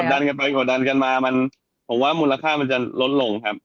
ดันกันไปกดดันกันมามันผมว่ามูลค่ามันจะลดลงครับ